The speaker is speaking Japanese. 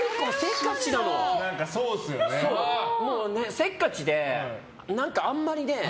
せっかちで何かあんまりね。